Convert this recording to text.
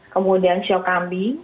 kemudian show kambing